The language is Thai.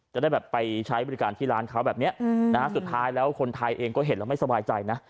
จะได้แบบไปใช้บริการที่ร้านเขาแบบนี้นะฮะสุดท้ายแล้วคนไทยเองก็เห็นแล้วไม่สบายใจนะ